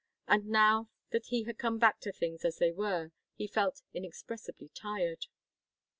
And now that he had come back to things as they were, he felt inexpressibly tired.